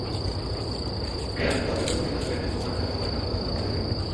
Cramp চপের জন্য বিখ্যাত ক্যাফে কর্নারেও সকালের নাশতার জন্য ভালোই ভিড় জমে।